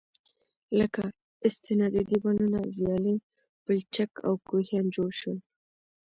لكه: استنادي دېوالونه، ويالې، پولچك او كوهيان جوړ شول.